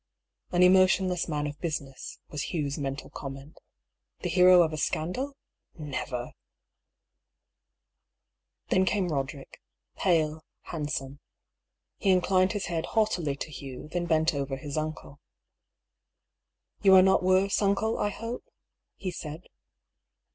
^' An emotionless man of business," was Hugh's mental comment. '^ The hero of a scandal ? Never !" Then came Roderick — pale, handsome. He inclined his head haughtily to Hugh, then bent over his uncle. " You are not worse, uncle, I hope ?" he said.